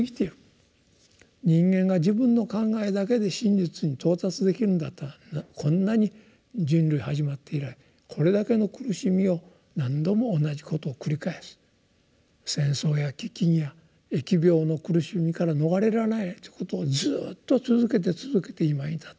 人間が自分の考えだけで真実に到達できるんだったらこんなに人類始まって以来これだけの苦しみを何度も同じことを繰り返す戦争や飢きんや疫病の苦しみから逃れられないということをずっと続けて続けて今に至ってる。